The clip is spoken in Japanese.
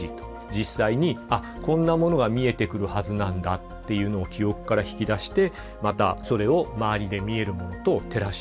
実際に「あっこんなものが見えてくるはずなんだ」っていうのを記憶から引き出してまたそれを周りで見えるものと照らし合わせる必要がある。